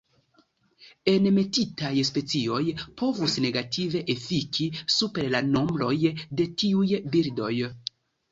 Enmetitaj specioj povus negative efiki super la nombroj de tiuj birdoj.